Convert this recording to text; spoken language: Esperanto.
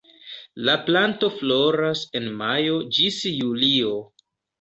La planto floras en majo ĝis julio.